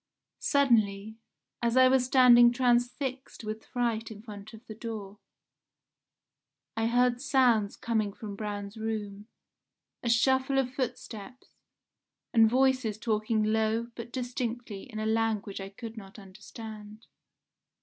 "Suddenly, as I was standing transfixed with fright in front of the door, I heard sounds coming from Braun's room, a shuffle of footsteps, and voices talking low but distinctly in a language I could not understand.